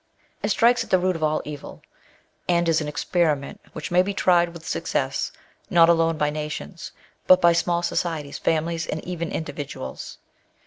It strikes at the root of all evil, aiid is an experiment which may be tried with success, not alone by nations, but by small societies, families, and even individuals.